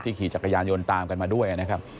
ขี่จักรยานยนต์ตามกันมาด้วยนะครับ